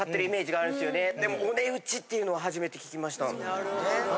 なるほど。